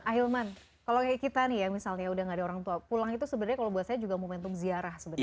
ahilman kalau kayak kita nih ya misalnya udah gak ada orang tua pulang itu sebenarnya kalau buat saya juga momentum ziarah sebenarnya